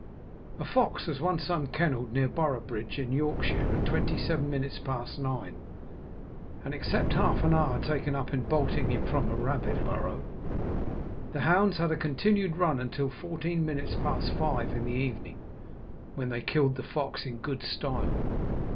A fox was once unkennelled near Boroughbridge in Yorkshire, at twenty seven minutes past nine, and except half an hour taken up in bolting him from a rabbit burrow, the hounds had a continued run until fourteen minutes past five in the evening, when they killed the fox in good style.